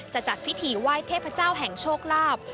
จัดพิธีไหว้เทพเจ้าแห่งโชคลาภ